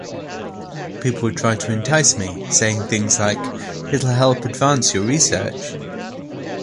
People would try to entice me, saying things like, 'It'll help advance your research.